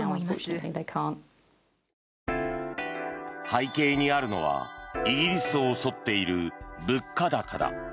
背景にあるのはイギリスを襲っている物価高だ。